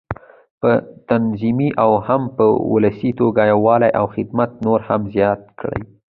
په تنظيمي او هم په ولسي توګه یووالی او خدمت نور هم زیات کړي.